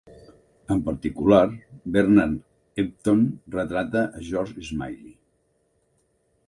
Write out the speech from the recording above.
En particular, Bernard Hepton retrata a George Smiley.